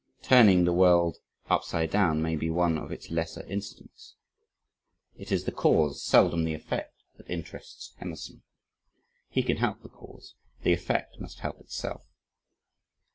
Turning the world upside down may be one of its lesser incidents. It is the cause, seldom the effect that interests Emerson. He can help the cause the effect must help itself.